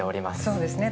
そうですね